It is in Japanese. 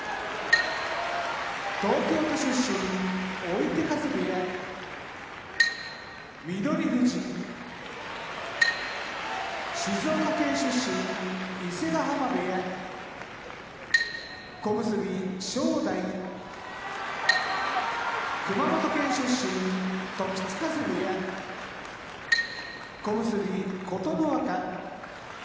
東京都出身追手風部屋翠富士静岡県出身伊勢ヶ濱部屋小結・正代熊本県出身時津風部屋小結・琴ノ若